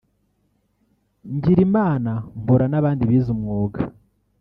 ngira Imana mpura n’abandi bize umwuga